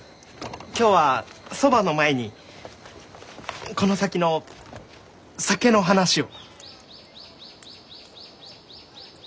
今日はそばの前にこの先の酒の話を。